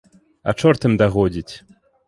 А чорт ім дагодзіць.